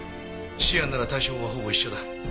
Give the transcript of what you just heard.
シアンなら対処法はほぼ一緒だ。